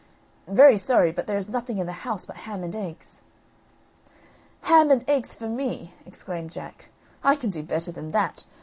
"Very sorry, but there is nothing in the house but ham and eggs." "Ham and eggs for me!" exclaimed Jack. "I can do better than that.